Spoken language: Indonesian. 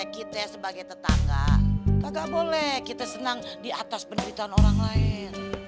kita sebagai tetangga boleh kita senang di atas penderitaan orang lain